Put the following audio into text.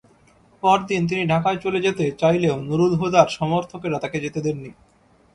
পরদিন তিনি ঢাকায় চলে যেতে চাইলেও নূরুল হুদার সমর্থকেরা তাঁকে যেতে দেননি।